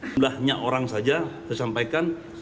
jumlahnya orang saja saya sampaikan